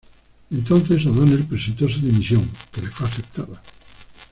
Entonces O'Donnell presentó su dimisión que le fue aceptada.